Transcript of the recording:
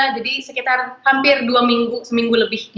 jadi sekitar hampir dua minggu seminggu lebih